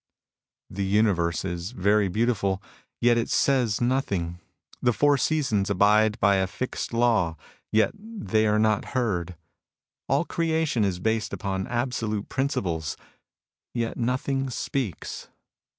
The universe is very beautiful, yet it says nothing. The four seasons abide by a fixed law, yet they are not heard. All creation is based upon absolute principles, yet nothing speaks.